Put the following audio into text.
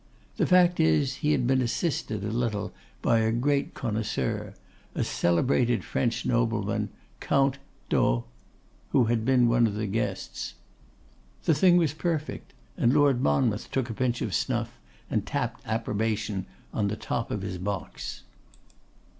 The fact is, he had been assisted a little by a great connoisseur, a celebrated French nobleman, Count D'O y, who had been one of the guests. The thing was perfect; and Lord Monmouth took a pinch of snuff, and tapped approbation on the top of his box.